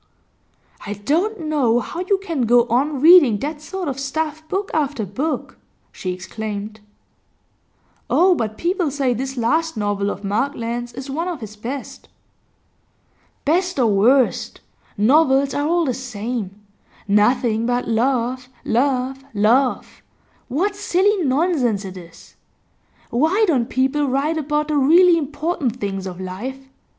'I don't know how you can go on reading that sort of stuff, book after book,' she exclaimed. 'Oh, but people say this last novel of Markland's is one of his best.' 'Best or worst, novels are all the same. Nothing but love, love, love; what silly nonsense it is! Why don't people write about the really important things of life?